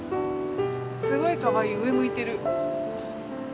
すごいかわいい上向いてる。